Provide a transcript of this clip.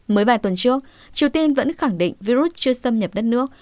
mới vài tuần trước triều tiên vẫn khẳng định virus chưa xâm nhập đất nước